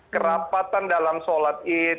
kerapatan dalam sholat id